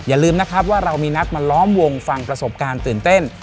อย่าลืมนะครับว่าเรามีนัดมาล้อมวงฟังประสบการณ์ตื่นเต้น